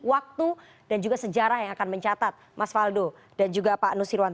waktu dan juga sejarah yang akan mencatat mas waldo dan juga pak nusirwan